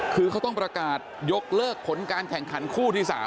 คือเขาต้องประกาศยกเลิกผลการแข่งขันคู่ที่๓